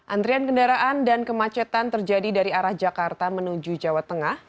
antrian kendaraan dan kemacetan terjadi dari arah jakarta menuju jawa tengah